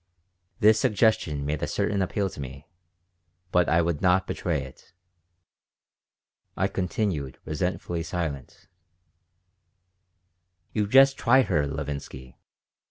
This suggestion made a certain appeal to me, but I would not betray it. I continued resentfully silent "You just try her, Levinsky.